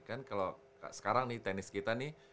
kan kalau sekarang nih tenis kita nih